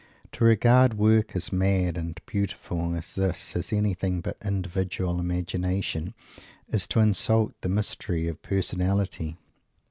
To regard work as mad and beautiful as this as anything but individual Imagination, is to insult the mystery of personality.